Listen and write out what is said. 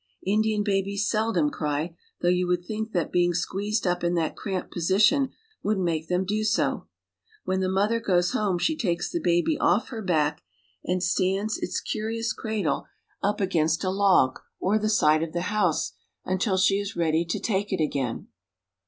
Indian babies seldom cry, though you would think that being squeezed up in that cramped position would make them do so. When the mother goes home she takes the baby off her back, and stands its curious cradle up against A Papoose. 292 AMONG THE INDIANS. a log or the side of the house until she is ready to take it again.